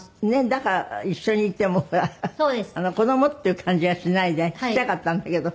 だから一緒にいても子供っていう感じがしないでちっちゃかったんだけど。